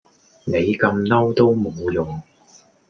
你咁嬲都無用